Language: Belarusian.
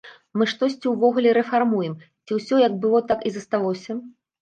Мы штосьці ўвогуле рэфармуем, ці ўсё як было так і засталося?